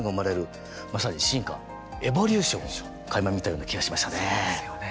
まさに進化エボリューションをかいま見たような気がしましたね。